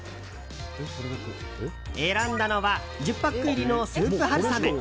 選んだのは１０パック入りのスープはるさめ。